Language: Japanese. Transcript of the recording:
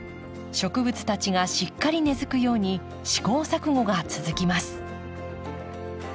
植物たちがしっかり根づくように試行錯誤が続きます。